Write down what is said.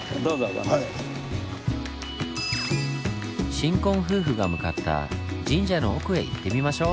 新婚夫婦が向かった神社の奥へ行ってみましょう。